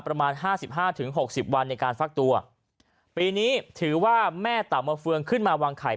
ประมาณ๕๕ถึง๖๐วันในการฟักตัวปีนี้ถือว่าแม่เต่าเมาเฟืองขึ้นมาวางไข่